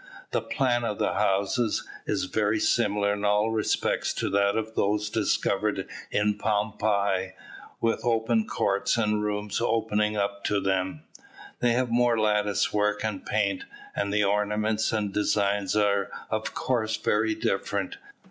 The plan of the houses is very similar in all respects to that of those discovered in Pompeii, with open courts and rooms opening out of them. They have more lattice work and paint, and the ornaments and designs are of course very different.